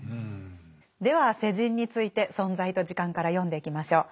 では世人について「存在と時間」から読んでいきましょう。